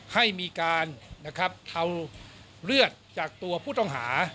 ให้มีการเทาเลือดจากตัวผู้ต้องหา